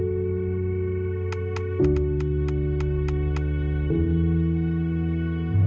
เพื่อถึงฝีมือจำลังโรงขาร์ดที่เราจะพัฒนาที่สุด